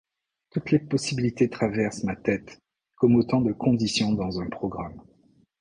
Toutes les possibilités traversent ma tête, comme autant de conditions dans un programme.